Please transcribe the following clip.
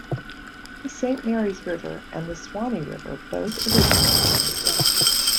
The Saint Marys River and the Suwannee River both originate in the swamp.